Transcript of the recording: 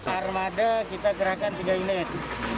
armada kita gerakkan tiga unit